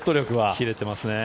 切れてますね。